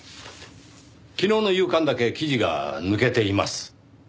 昨日の夕刊だけ記事が抜けています。